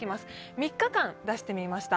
３日間出してみました。